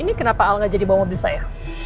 ini kenapa al gak jadi bawa mobil saya